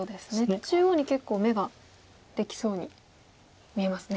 中央に結構眼ができそうに見えますね。